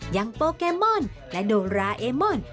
อย่างโปแกมอนและโดราเอมอน